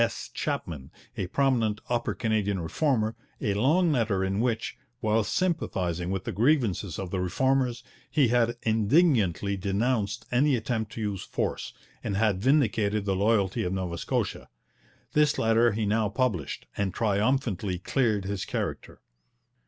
S. Chapman, a prominent Upper Canadian Reformer, a long letter in which, while sympathizing with the grievances of the Reformers, he had indignantly denounced any attempt to use force, and had vindicated the loyalty of Nova Scotia. This letter he now published, and triumphantly cleared his character.